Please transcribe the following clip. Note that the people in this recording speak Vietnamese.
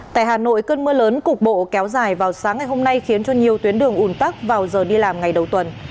tại hà nội cơn mưa lớn cục bộ kéo dài vào sáng ngày hôm nay khiến cho nhiều tuyến đường ủn tắc vào giờ đi làm ngày đầu tuần